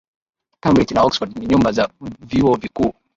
Cambridge na Oxford ni nyumba za vyuo vikuu